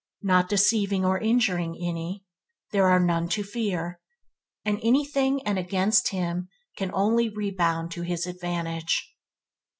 Not deceiving or injuring any, there are none to fear, and anything and against him can only rebound to his advantage.